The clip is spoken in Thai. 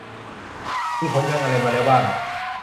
มีผลงานอะไรมาแล้วบ้าง